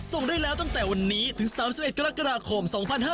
ส่งได้แล้วตั้งแต่วันนี้ถึง๓๑กรกฎาคม๒๕๕๙